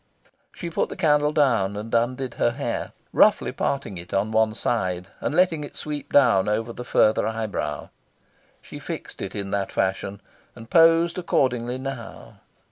She put the candle down, and undid her hair, roughly parting it on one side, and letting it sweep down over the further eyebrow. She fixed it in that fashion, and posed accordingly. Now!